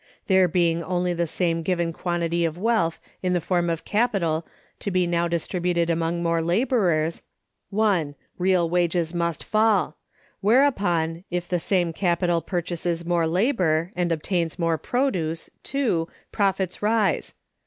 There being only the same given quantity of wealth in the form of capital to be now distributed among more laborers (1), real wages must fall; whereupon, if the same capital purchases more labor, and obtains more produce (2), profits rise.